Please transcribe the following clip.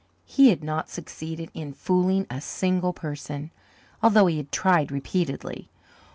He had not succeeded in "fooling" a single person, although he had tried repeatedly.